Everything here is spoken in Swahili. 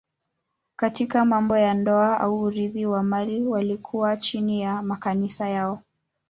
Katika mambo ya ndoa au urithi wa mali walikuwa chini ya makanisa yao.